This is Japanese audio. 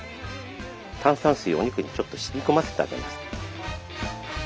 炭酸水をお肉にちょっとしみこませてあげます。